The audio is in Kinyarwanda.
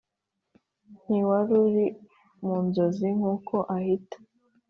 nkiwaruri munzozi nuko ahita